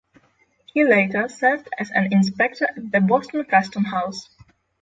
He later served as an inspector at the Boston Custom House.